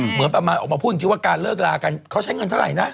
เหมือนประมาณออกมาพูดจริงว่าการเลิกลากันเขาใช้เงินเท่าไหร่นะ